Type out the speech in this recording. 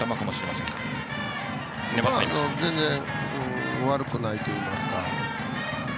全然悪くないといいますか。